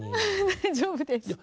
大丈夫です。